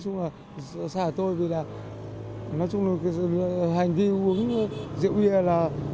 nói chung là hành vi uống rượu bia là